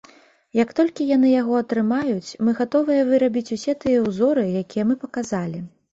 Як толькі яны яго атрымаюць, мы гатовыя вырабіць усе тыя ўзоры, якія мы паказалі.